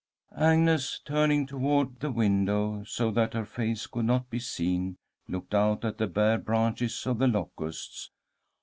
Agnes, turning toward the window so that her face could not be seen, looked out at the bare branches of the locusts.